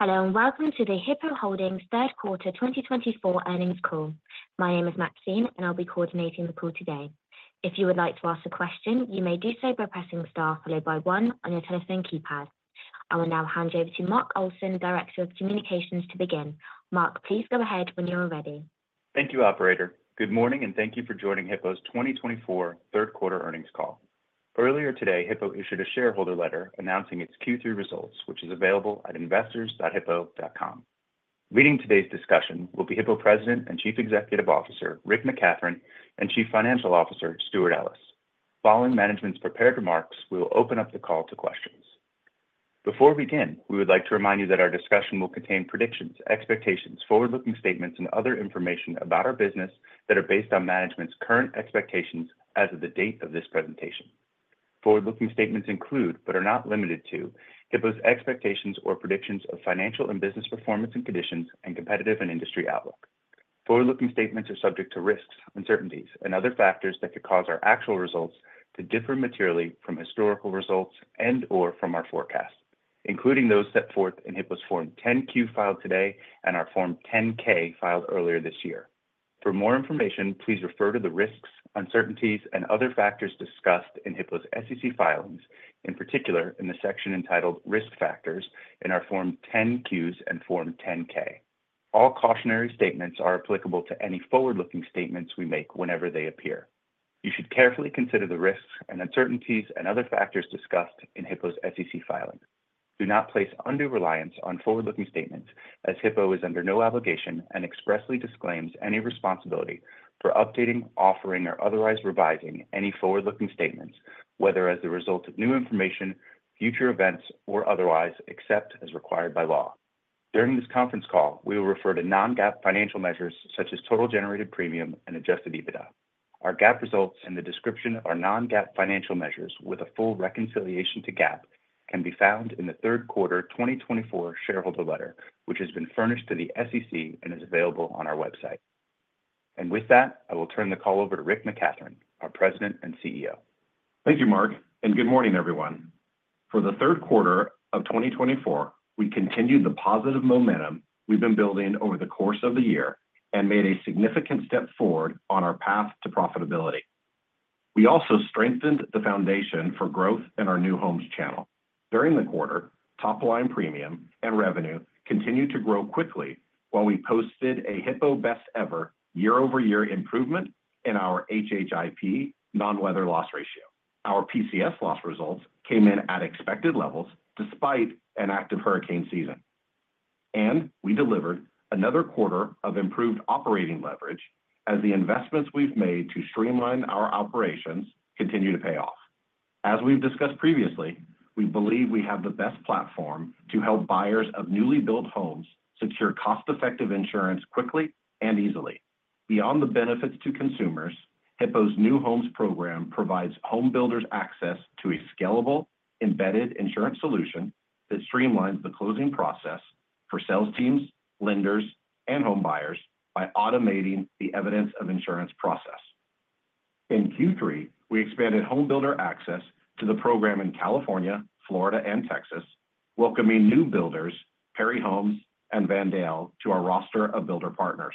Hello, and welcome to the Hippo Holdings third quarter 2024 earnings call. My name is Maxine, and I'll be coordinating the call today. If you would like to ask a question, you may do so by pressing star followed by one on your telephone keypad. I will now hand you over to Mark Olson, Director of Communications, to begin. Mark, please go ahead when you're ready. Thank you, Operator. Good morning, and thank you for joining Hippo's 2024 third quarter earnings call. Earlier today, Hippo issued a shareholder letter announcing its Q3 results, which is available at investors.hippo.com. Leading today's discussion will be Hippo President and Chief Executive Officer Rick McCathron and Chief Financial Officer Stewart Ellis. Following management's prepared remarks, we will open up the call to questions. Before we begin, we would like to remind you that our discussion will contain predictions, expectations, forward-looking statements, and other information about our business that are based on management's current expectations as of the date of this presentation. Forward-looking statements include, but are not limited to, Hippo's expectations or predictions of financial and business performance and conditions, and competitive and industry outlook. Forward-looking statements are subject to risks, uncertainties, and other factors that could cause our actual results to differ materially from historical results and/or from our forecast, including those set forth in Hippo's Form 10-Q filed today and our Form 10-K filed earlier this year. For more information, please refer to the risks, uncertainties, and other factors discussed in Hippo's SEC filings, in particular in the section entitled Risk Factors in our Form 10-Qs and Form 10-K. All cautionary statements are applicable to any forward-looking statements we make whenever they appear. You should carefully consider the risks and uncertainties and other factors discussed in Hippo's SEC filing. Do not place undue reliance on forward-looking statements, as Hippo is under no obligation and expressly disclaims any responsibility for updating, offering, or otherwise revising any forward-looking statements, whether as the result of new information, future events, or otherwise, except as required by law. During this conference call, we will refer to non-GAAP financial measures such as total generated premium and adjusted EBITDA. Our GAAP results and the description of our non-GAAP financial measures with a full reconciliation to GAAP can be found in the third quarter 2024 shareholder letter, which has been furnished to the SEC and is available on our website. And with that, I will turn the call over to Rick McCathron, our President and CEO. Thank you, Mark, and good morning, everyone. For the third quarter of 2024, we continued the positive momentum we've been building over the course of the year and made a significant step forward on our path to profitability. We also strengthened the foundation for growth in our new homes channel. During the quarter, top line premium and revenue continued to grow quickly while we posted a Hippo best ever year-over-year improvement in our HHIP non-weather loss ratio. Our PCS loss results came in at expected levels despite an active hurricane season. We delivered another quarter of improved operating leverage as the investments we've made to streamline our operations continue to pay off. As we've discussed previously, we believe we have the best platform to help buyers of newly built homes secure cost-effective insurance quickly and easily. Beyond the benefits to consumers, Hippo's new homes program provides homebuilders access to a scalable embedded insurance solution that streamlines the closing process for sales teams, lenders, and home buyers by automating the evidence of insurance process. In Q3, we expanded homebuilder access to the program in California, Florida, and Texas, welcoming new builders, Perry Homes, and Van Daele to our roster of builder partners,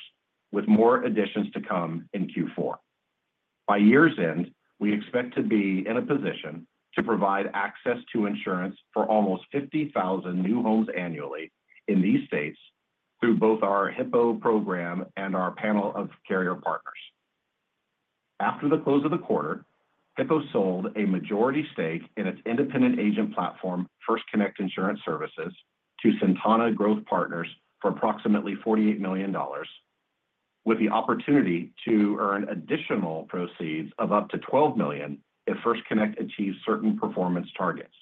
with more additions to come in Q4. By year's end, we expect to be in a position to provide access to insurance for almost 50,000 new homes annually in these states through both our Hippo program and our panel of carrier partners. After the close of the quarter, Hippo sold a majority stake in its independent agent platform, First Connect Insurance Services, to Centana Growth Partners for approximately $48 million, with the opportunity to earn additional proceeds of up to $12 million if First Connect achieves certain performance targets.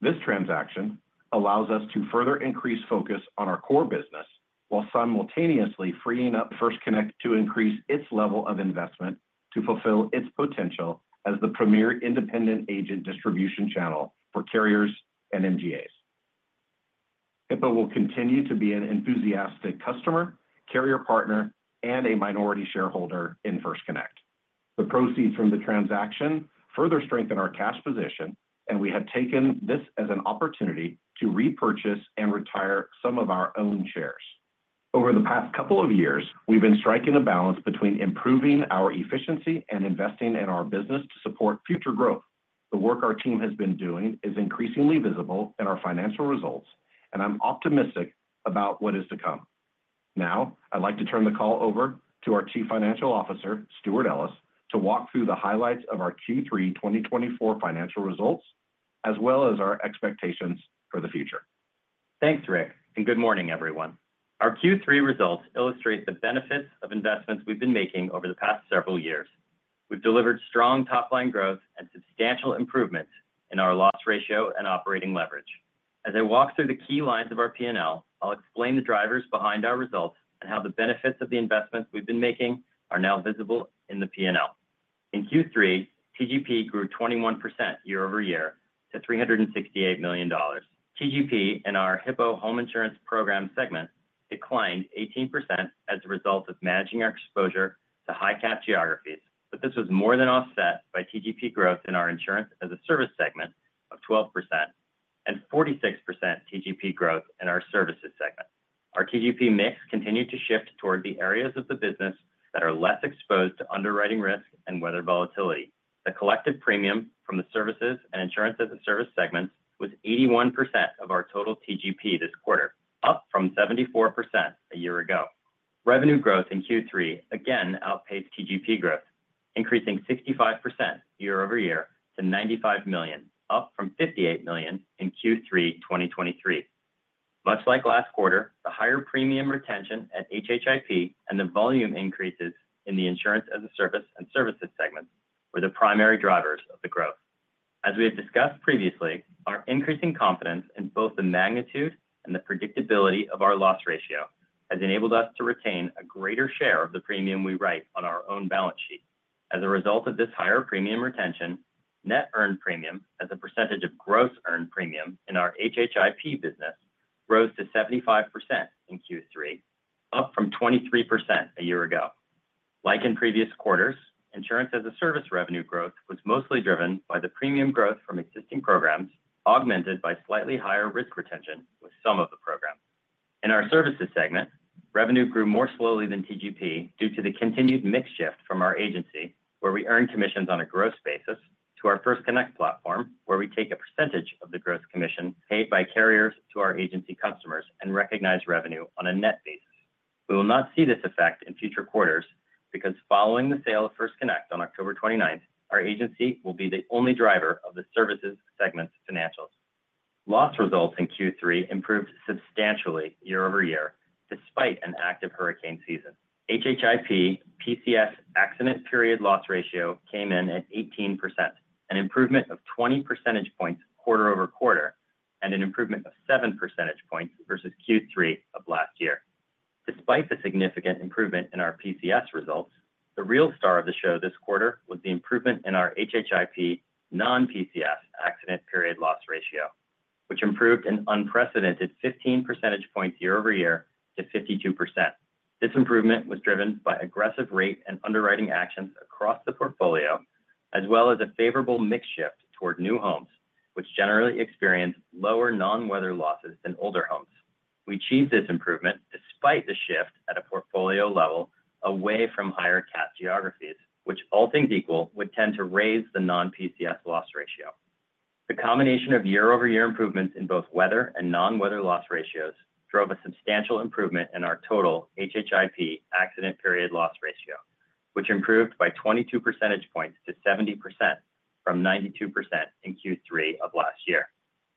This transaction allows us to further increase focus on our core business while simultaneously freeing up First Connect to increase its level of investment to fulfill its potential as the premier independent agent distribution channel for carriers and MGAs. Hippo will continue to be an enthusiastic customer, carrier partner, and a minority shareholder in First Connect. The proceeds from the transaction further strengthen our cash position, and we have taken this as an opportunity to repurchase and retire some of our own shares. Over the past couple of years, we've been striking a balance between improving our efficiency and investing in our business to support future growth. The work our team has been doing is increasingly visible in our financial results, and I'm optimistic about what is to come. Now, I'd like to turn the call over to our Chief Financial Officer, Stewart Ellis, to walk through the highlights of our Q3 2024 financial results, as well as our expectations for the future. Thanks, Rick, and good morning, everyone. Our Q3 results illustrate the benefits of investments we've been making over the past several years. We've delivered strong top line growth and substantial improvements in our loss ratio and operating leverage. As I walk through the key lines of our P&L, I'll explain the drivers behind our results and how the benefits of the investments we've been making are now visible in the P&L. In Q3, TGP grew 21% year-over-year to $368 million. TGP in our Hippo home insurance program segment declined 18% as a result of managing our exposure to high-cap geographies, but this was more than offset by TGP growth in our insurance as a service segment of 12% and 46% TGP growth in our services segment. Our TGP mix continued to shift toward the areas of the business that are less exposed to underwriting risk and weather volatility. The collective premium from the services and insurance as a service segments was 81% of our total TGP this quarter, up from 74% a year ago. Revenue growth in Q3 again outpaced TGP growth, increasing 65% year-over-year to $95 million, up from $58 million in Q3 2023. Much like last quarter, the higher premium retention at HHIP and the volume increases in the insurance as a service and services segments were the primary drivers of the growth. As we have discussed previously, our increasing confidence in both the magnitude and the predictability of our loss ratio has enabled us to retain a greater share of the premium we write on our own balance sheet. As a result of this higher premium retention, net earned premium as a percentage of gross earned premium in our HHIP business rose to 75% in Q3, up from 23% a year ago. Like in previous quarters, insurance as a service revenue growth was mostly driven by the premium growth from existing programs, augmented by slightly higher risk retention with some of the programs. In our services segment, revenue grew more slowly than TGP due to the continued mix shift from our agency, where we earn commissions on a gross basis, to our First Connect platform, where we take a percentage of the gross commission paid by carriers to our agency customers and recognize revenue on a net basis. We will not see this effect in future quarters because following the sale of First Connect on October 29, our agency will be the only driver of the services segment's financials. Loss results in Q3 improved substantially year-over-year despite an active hurricane season. HHIP PCS accident period loss ratio came in at 18%, an improvement of 20 percentage points quarter-over-quarter, and an improvement of 7 percentage points versus Q3 of last year. Despite the significant improvement in our PCS results, the real star of the show this quarter was the improvement in our HHIP non-PCS accident period loss ratio, which improved an unprecedented 15 percentage points year-over-year to 52%. This improvement was driven by aggressive rate and underwriting actions across the portfolio, as well as a favorable mix shift toward new homes, which generally experience lower non-weather losses than older homes. We achieved this improvement despite the shift at a portfolio level away from higher-cap geographies, which all things equal would tend to raise the non-PCS loss ratio. The combination of year-over-year improvements in both weather and non-weather loss ratios drove a substantial improvement in our total HHIP accident period loss ratio, which improved by 22 percentage points to 70% from 92% in Q3 of last year.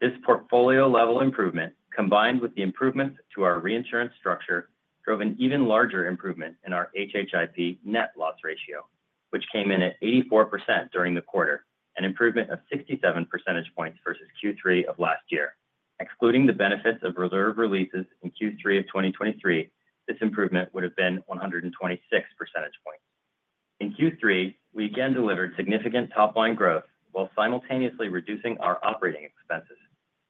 This portfolio-level improvement, combined with the improvements to our reinsurance structure, drove an even larger improvement in our HHIP net loss ratio, which came in at 84% during the quarter, an improvement of 67 percentage points versus Q3 of last year. Excluding the benefits of reserve releases in Q3 of 2023, this improvement would have been 126 percentage points. In Q3, we again delivered significant top line growth while simultaneously reducing our operating expenses,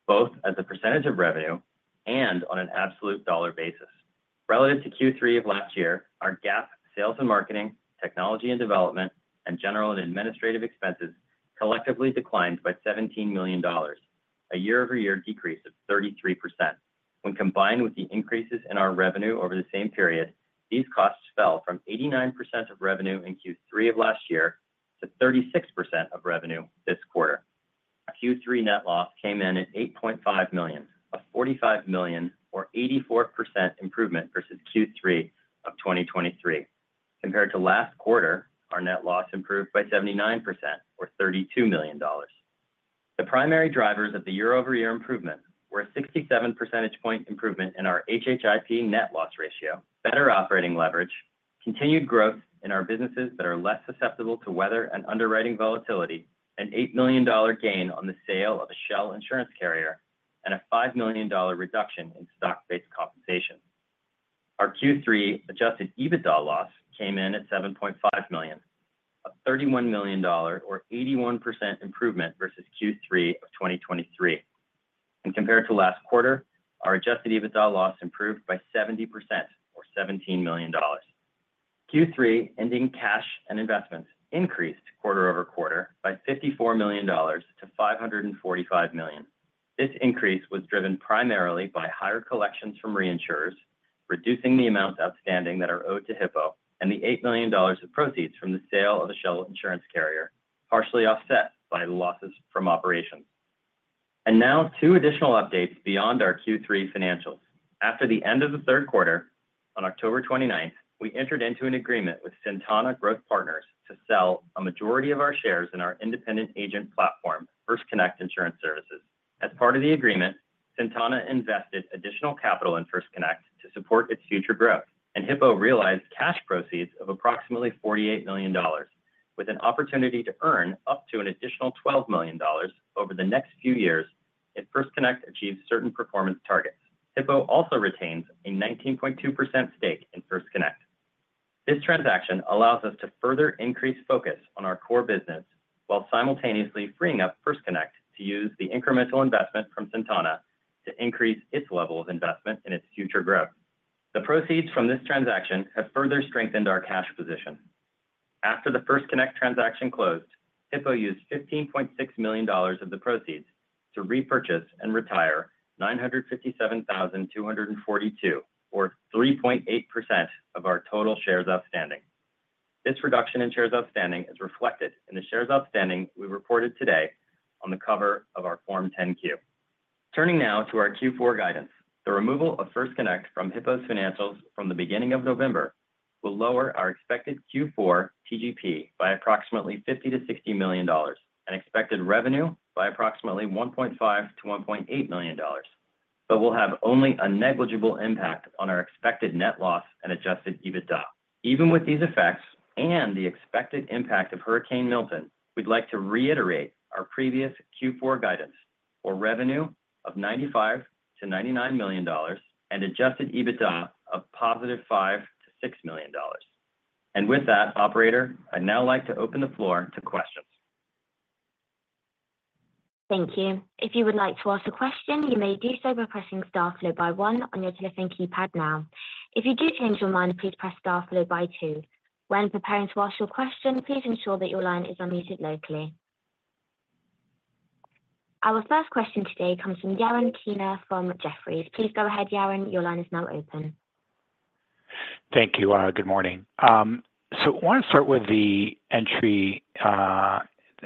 both as a percentage of revenue and on an absolute dollar basis. Relative to Q3 of last year, our GAAP sales and marketing, technology and development, and general and administrative expenses collectively declined by $17 million, a year-over-year decrease of 33%. When combined with the increases in our revenue over the same period, these costs fell from 89% of revenue in Q3 of last year to 36% of revenue this quarter. Q3 net loss came in at $8.5 million, a $45 million, or 84% improvement versus Q3 of 2023. Compared to last quarter, our net loss improved by 79%, or $32 million. The primary drivers of the year-over-year improvement were a 67 percentage point improvement in our HHIP net loss ratio, better operating leverage, continued growth in our businesses that are less susceptible to weather and underwriting volatility, an $8 million gain on the sale of a shell insurance carrier, and a $5 million reduction in stock-based compensation. Our Q3 Adjusted EBITDA loss came in at $7.5 million, a $31 million, or 81% improvement versus Q3 of 2023, and compared to last quarter, our Adjusted EBITDA loss improved by 70%, or $17 million. Q3 ending cash and investments increased quarter-over-quarter by $54 million to $545 million. This increase was driven primarily by higher collections from reinsurers, reducing the amounts outstanding that are owed to Hippo, and the $8 million of proceeds from the sale of a shell insurance carrier, partially offset by the losses from operations, and now two additional updates beyond our Q3 financials. After the end of the third quarter, on October 29, we entered into an agreement with Centana Growth Partners to sell a majority of our shares in our independent agent platform, First Connect Insurance Services. As part of the agreement, Centana invested additional capital in First Connect to support its future growth, and Hippo realized cash proceeds of approximately $48 million, with an opportunity to earn up to an additional $12 million over the next few years if First Connect achieves certain performance targets. Hippo also retains a 19.2% stake in First Connect. This transaction allows us to further increase focus on our core business while simultaneously freeing up First Connect to use the incremental investment from Centana to increase its level of investment in its future growth. The proceeds from this transaction have further strengthened our cash position. After the First Connect transaction closed, Hippo used $15.6 million of the proceeds to repurchase and retire $957,242, or 3.8% of our total shares outstanding. This reduction in shares outstanding is reflected in the shares outstanding we reported today on the cover of our Form 10-Q. Turning now to our Q4 guidance, the removal of First Connect from Hippo's financials from the beginning of November will lower our expected Q4 TGP by approximately $50 million-$60 million and expected revenue by approximately $1.5 million-$1.8 million, but will have only a negligible impact on our expected net loss and Adjusted EBITDA. Even with these effects and the expected impact of Hurricane Milton, we'd like to reiterate our previous Q4 guidance for revenue of $95 million-$99 million and Adjusted EBITDA of positive $5million-$6 million, and with that, operator, I'd now like to open the floor to questions. Thank you. If you would like to ask a question, you may do so by pressing star, then one on your telephone keypad now. If you do change your mind, please press star, then two. When preparing to ask your question, please ensure that your line is unmuted locally. Our first question today comes from Yaron Kinar from Jefferies. Please go ahead, Yaron. Your line is now open. Thank you. Good morning. So I want to start with the entry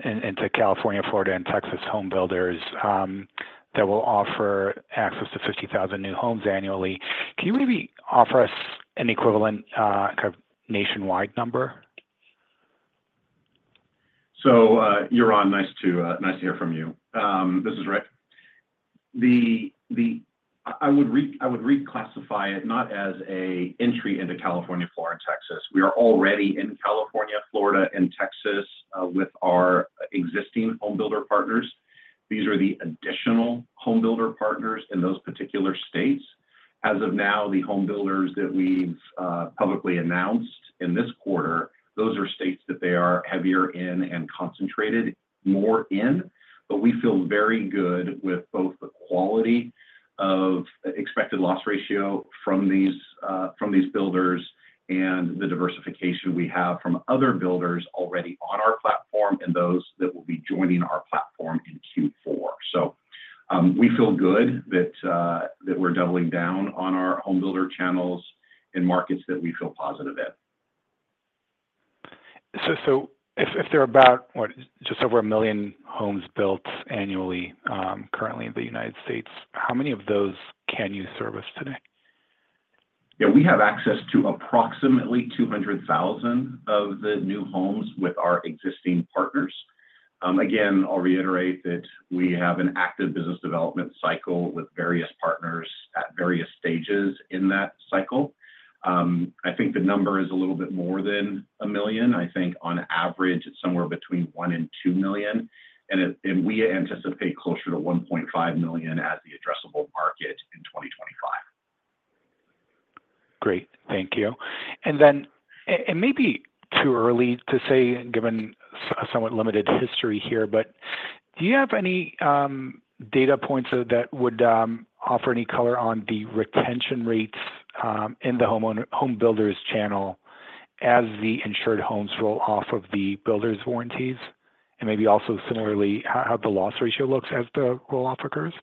into California, Florida, and Texas home builders that will offer access to 50,000 new homes annually. Can you maybe offer us an equivalent kind of nationwide number? Yaron, nice to hear from you. This is Rick. I would reclassify it not as an entry into California, Florida, and Texas. We are already in California, Florida, and Texas with our existing home builder partners. These are the additional home builder partners in those particular states. As of now, the home builders that we've publicly announced in this quarter, those are states that they are heavier in and concentrated more in, but we feel very good with both the quality of expected loss ratio from these builders and the diversification we have from other builders already on our platform and those that will be joining our platform in Q4. We feel good that we're doubling down on our home builder channels in markets that we feel positive in. So if there are about just over a million homes built annually currently in the United States, how many of those can you service today? Yeah, we have access to approximately 200,000 of the new homes with our existing partners. Again, I'll reiterate that we have an active business development cycle with various partners at various stages in that cycle. I think the number is a little bit more than a million. I think on average, it's somewhere between one and two million, and we anticipate closer to 1.5 million as the addressable market in 2025. Great. Thank you. And then it may be too early to say, given somewhat limited history here, but do you have any data points that would offer any color on the retention rates in the home builders channel as the insured homes roll off of the builders' warranties? And maybe also similarly, how the loss ratio looks as the roll-off occurs?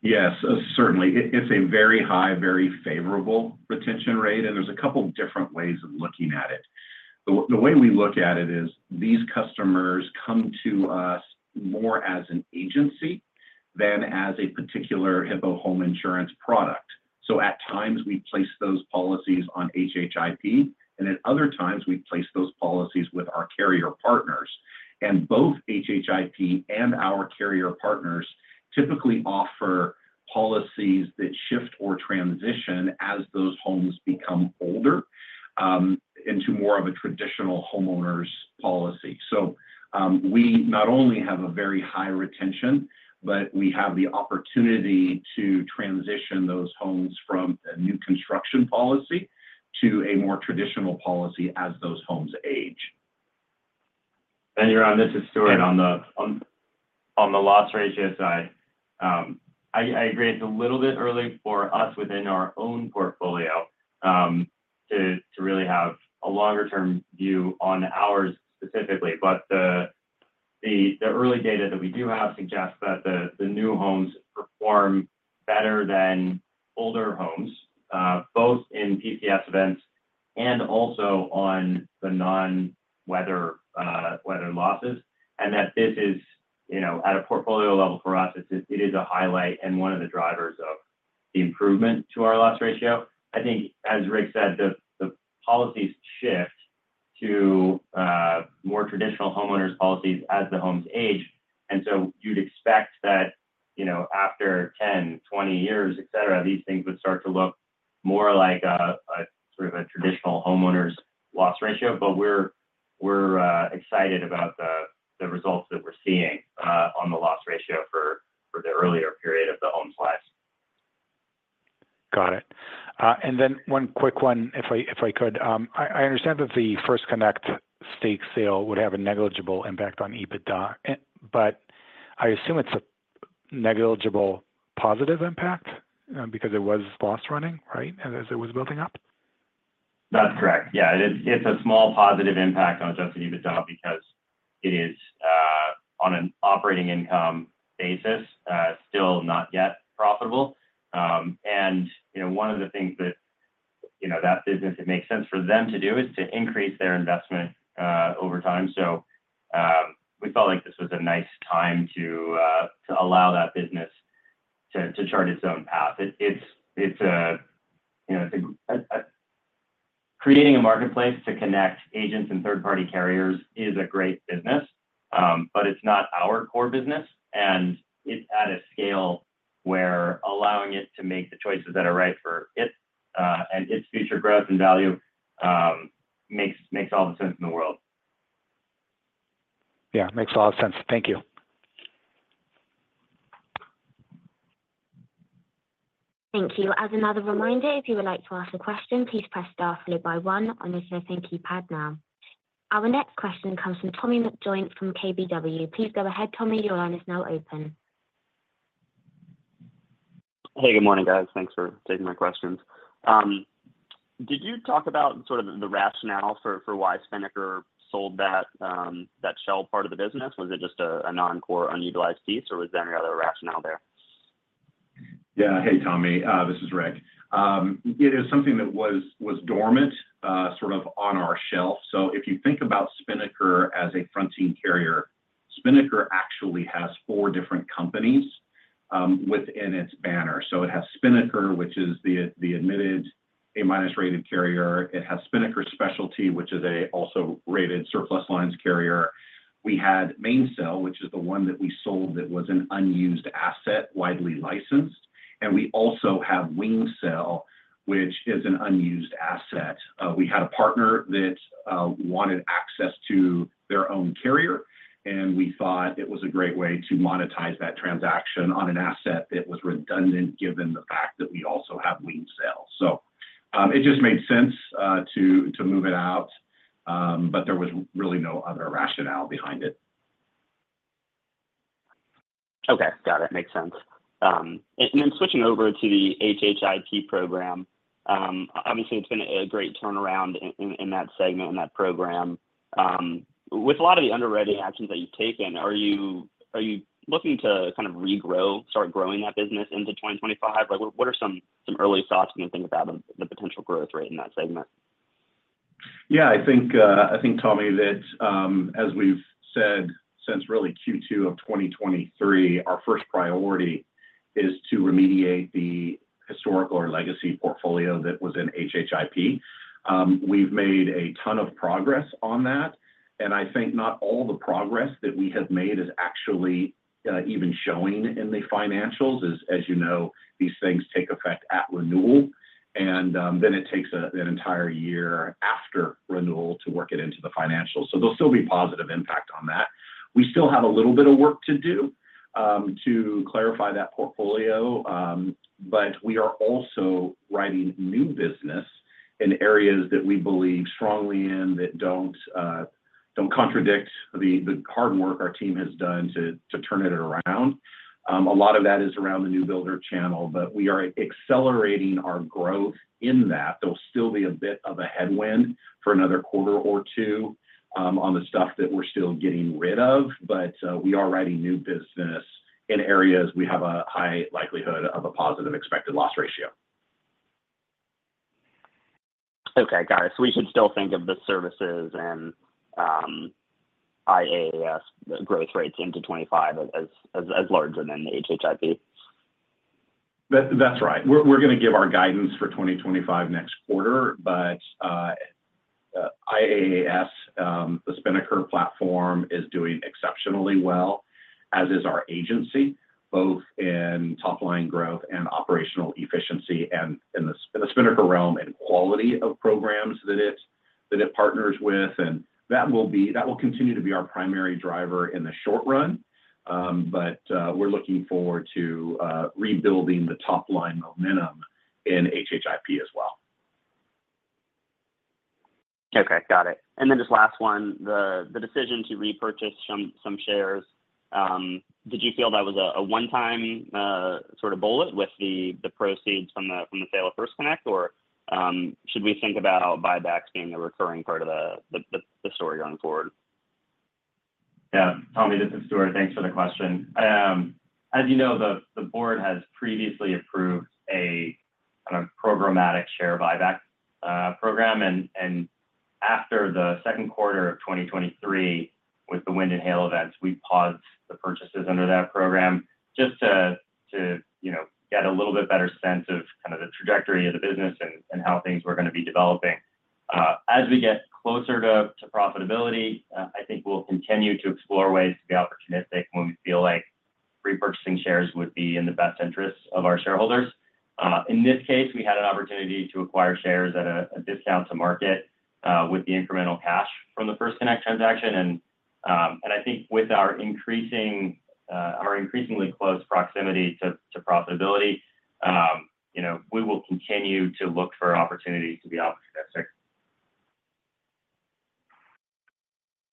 Yes, certainly. It's a very high, very favorable retention rate, and there's a couple of different ways of looking at it. The way we look at it is these customers come to us more as an agency than as a particular Hippo home insurance product. So at times, we place those policies on HHIP, and at other times, we place those policies with our carrier partners. And both HHIP and our carrier partners typically offer policies that shift or transition as those homes become older into more of a traditional homeowner's policy. So we not only have a very high retention, but we have the opportunity to transition those homes from a new construction policy to a more traditional policy as those homes age. Yaron, this is Stewart on the loss ratio side. I agree it's a little bit early for us within our own portfolio to really have a longer-term view on ours specifically, but the early data that we do have suggests that the new homes perform better than older homes, both in PCS events and also on the non-weather losses, and that this is, at a portfolio level for us, it is a highlight and one of the drivers of the improvement to our loss ratio. I think, as Rick said, the policies shift to more traditional homeowners' policies as the homes age, and so you'd expect that after 10, 20 years, etc., these things would start to look more like a sort of a traditional homeowner's loss ratio, but we're excited about the results that we're seeing on the loss ratio for the earlier period of the home's life. Got it. And then one quick one, if I could. I understand that the First Connect stake sale would have a negligible impact on EBITDA, but I assume it's a negligible positive impact because it was loss running, right, as it was building up? That's correct. Yeah. It's a small positive impact on Adjusted EBITDA because it is, on an operating income basis, still not yet profitable, and one of the things that that business, it makes sense for them to do is to increase their investment over time, so we felt like this was a nice time to allow that business to chart its own path. Creating a marketplace to connect agents and third-party carriers is a great business, but it's not our core business, and it's at a scale where allowing it to make the choices that are right for it and its future growth and value makes all the sense in the world. Yeah. Makes a lot of sense. Thank you. Thank you. As another reminder, if you would like to ask a question, please press star, then one on your touchtone keypad now. Our next question comes from Tommy McJoynt from KBW. Please go ahead, Tommy. Your line is now open. Hey, good morning, guys. Thanks for taking my questions. Did you talk about sort of the rationale for why Spinnaker sold that shell part of the business? Was it just a non-core, unutilized piece, or was there any other rationale there? Yeah. Hey, Tommy. This is Rick. It is something that was dormant sort of on our shelf. So if you think about Spinnaker as a fronting carrier, Spinnaker actually has four different companies within its banner. So it has Spinnaker, which is the admitted A-rated carrier. It has Spinnaker Specialty, which is an A-rated surplus lines carrier. We had Mainsail, which is the one that we sold that was an unused asset, widely licensed. And we also have Wingsail, which is an unused asset. We had a partner that wanted access to their own carrier, and we thought it was a great way to monetize that transaction on an asset that was redundant given the fact that we also have Wingsail. So it just made sense to move it out, but there was really no other rationale behind it. Okay. Got it. Makes sense, and then switching over to the HHIP program, obviously, it's been a great turnaround in that segment and that program. With a lot of the underwriting actions that you've taken, are you looking to kind of regrow, start growing that business into 2025? What are some early thoughts when you think about the potential growth rate in that segment? Yeah. I think, Tommy, that as we've said since really Q2 of 2023, our first priority is to remediate the historical or legacy portfolio that was in HHIP. We've made a ton of progress on that, and I think not all the progress that we have made is actually even showing in the financials. As you know, these things take effect at renewal, and then it takes an entire year after renewal to work it into the financials. So there'll still be positive impact on that. We still have a little bit of work to do to clarify that portfolio, but we are also writing new business in areas that we believe strongly in that don't contradict the hard work our team has done to turn it around. A lot of that is around the new builder channel, but we are accelerating our growth in that. There'll still be a bit of a headwind for another quarter or two on the stuff that we're still getting rid of, but we are writing new business in areas we have a high likelihood of a positive expected loss ratio. Okay. Got it. So we should still think of the services and IaaS growth rates into 2025 as larger than the HHIP? That's right. We're going to give our guidance for 2025 next quarter, but IaaS, the Spinnaker platform, is doing exceptionally well, as is our agency, both in top-line growth and operational efficiency and in the Spinnaker realm and quality of programs that it partners with, and that will continue to be our primary driver in the short run, but we're looking forward to rebuilding the top-line momentum in HHIP as well. Okay. Got it. And then just last one, the decision to repurchase some shares, did you feel that was a one-time sort of bullet with the proceeds from the sale of First Connect, or should we think about buybacks being a recurring part of the story going forward? Yeah. Tommy, this is Stewart. Thanks for the question. As you know, the board has previously approved a kind of programmatic share buyback program, and after the second quarter of 2023 with the wind and hail events, we paused the purchases under that program just to get a little bit better sense of kind of the trajectory of the business and how things were going to be developing. As we get closer to profitability, I think we'll continue to explore ways to be opportunistic when we feel like repurchasing shares would be in the best interests of our shareholders. In this case, we had an opportunity to acquire shares at a discount to market with the incremental cash from the First Connect transaction. And I think with our increasingly close proximity to profitability, we will continue to look for opportunities to be opportunistic.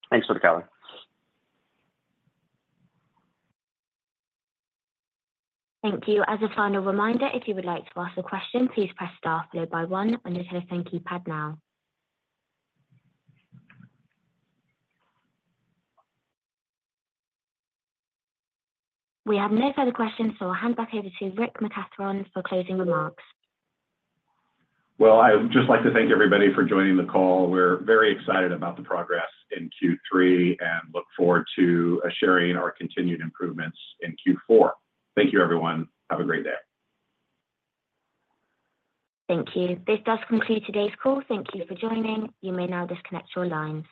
Thanks, Stewart and Callan. Thank you. As a final reminder, if you would like to ask a question, please press star, then one on your telephone keypad now. We have no further questions, so I'll hand back over to Rick McCathron for closing remarks. I would just like to thank everybody for joining the call. We're very excited about the progress in Q3 and look forward to sharing our continued improvements in Q4. Thank you, everyone. Have a great day. Thank you. This does conclude today's call. Thank you for joining. You may now disconnect your lines.